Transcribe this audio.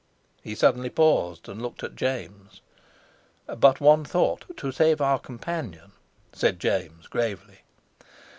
He suddenly paused, and looked at James. "But one thought, to save our companion," said James gravely.